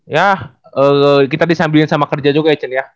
yah kita disambilin sama kerja juga ya celia